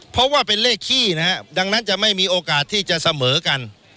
เพราะว่าเป็นเลขขี้นะครับดังนั้นจะไม่มีโอกาสที่จะเสมอกัน